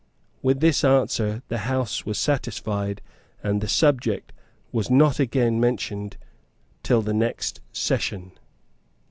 With this answer the House was satisfied, and the subject was not again mentioned till the next session.